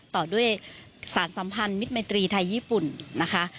ต่อด้วยสารสัมพันธ์มิตรมัยตรีไทยญี่ปุ่นนะคะ